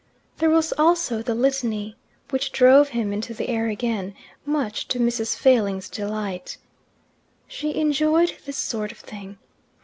There was also the Litany, which drove him into the air again, much to Mrs. Failing's delight. She enjoyed this sort of thing.